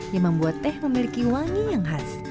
yang membuat teh memiliki wangi yang khas